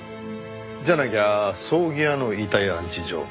じゃなきゃ葬儀屋の遺体安置所。